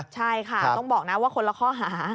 ใช่ค่ะต้องบอกนะว่าคนละข้อหา